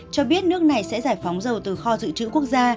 cho biết nước này sẽ giải phóng dầu từ kho dự trữ quốc gia